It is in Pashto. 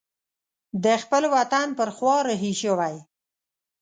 د خپل وطن پر خوا رهي شوی.